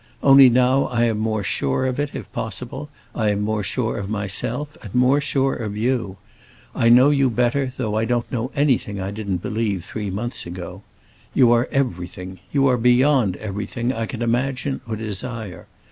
Only now I am more sure of it, if possible; I am more sure of myself, and more sure of you. I know you better, though I don't know anything I didn't believe three months ago. You are everything—you are beyond everything—I can imagine or desire.